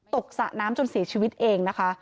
สระน้ำจนเสียชีวิตเองนะคะ